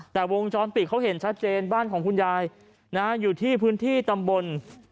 แต่วงจรปิดเขาเห็นชัดเจนบ้านของคุณยายอยู่ที่พื้นที่ตำบล